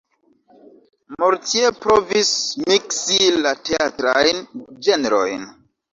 Mortier provis miksi la teatrajn ĝenrojn.